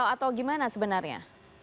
atau gimana sebenarnya